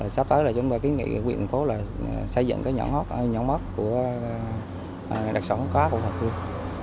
sắp tới là chúng tôi ký nghị quyền phố là xây dựng cái nhóm hót nhóm hót của đặc sống khóa của hòa khương